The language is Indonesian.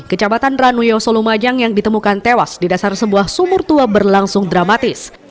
kecamatan ranuyo solumajang yang ditemukan tewas di dasar sebuah sumur tua berlangsung dramatis